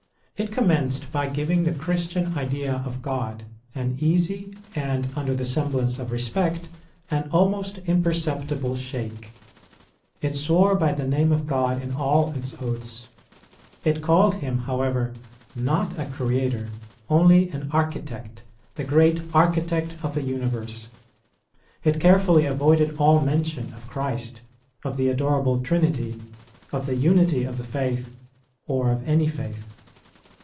It commenced by giving the Christian idea of God, an easy, and, under semblance of respect, an almost imperceptible shake. It SAvore by the name of God in all its oaths. It called him, however, not a Creator, only an architect — the great Architect of the universe. It carefully avoided all mention of Christ, of the Adorable Trinity, of the Unity of the Faith, or of any faith.